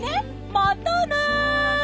またね！